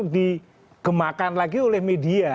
dikemakan lagi oleh media